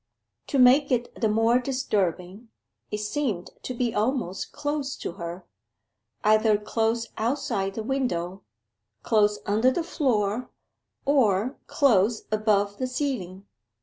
To make it the more disturbing, it seemed to be almost close to her either close outside the window, close under the floor, or close above the ceiling.